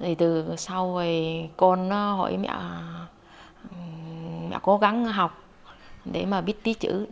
thì từ sau rồi con hỏi mẹ cố gắng học để mà biết tí chữ